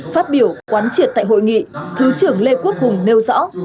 phát biểu quán triệt tại hội nghị thứ trưởng lê quốc hùng nêu rõ